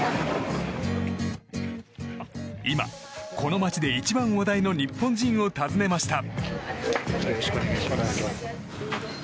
今、この街で一番話題の日本人を訪ねました。